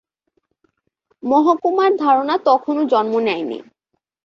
মহকুমার ধারণা তখনও জন্ম নেয়নি।